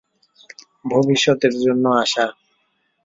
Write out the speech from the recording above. ভবিষ্যতের জন্য আশা!